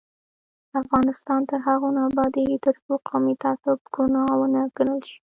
افغانستان تر هغو نه ابادیږي، ترڅو قومي تعصب ګناه ونه ګڼل شي.